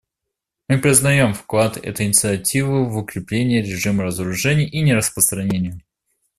Мы признаем вклад этой инициативы в укрепление режима разоружения и нераспространения.